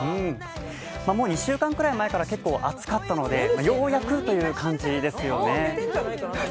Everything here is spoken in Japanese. もう２週間前から結構暑かったのでようやくという感じですよね。